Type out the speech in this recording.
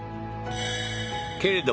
けれど